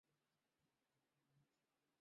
এর পরিবর্তে আমি তোমাদের নিকট ধন-সম্পদ চাই না।